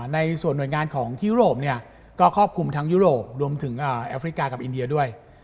ในส่วนหน่วยงานของยุโรปก็ครอบคลุมทั้งยุโรปรวมถึงแอฟริกากับอินเดียด้วย